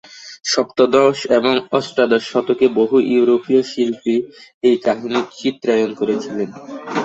সপ্তদশ এবং অষ্টাদশ শতকে বহু ইউরোপিয় শিল্পী এই কাহিনির চিত্রায়ন করেছিলেন।